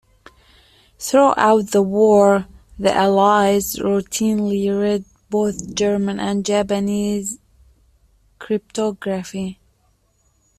Throughout the war, the Allies routinely read both German and Japanese cryptography.